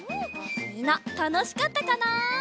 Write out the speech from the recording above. みんなたのしかったかな？